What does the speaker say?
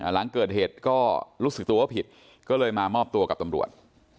หลังเกิดเหตุก็รู้สึกตัวว่าผิดก็เลยมามอบตัวกับตำรวจ